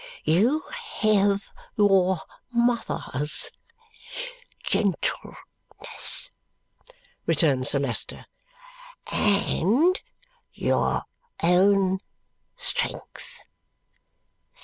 You have your mother's gentleness," returns Sir Leicester, "and your own strength.